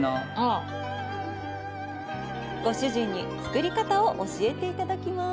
ご主人に作り方を教えていただきます。